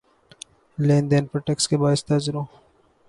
لین دین پر ٹیکس کے باعث تاجروں